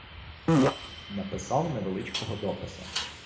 Написав невеличкого дописа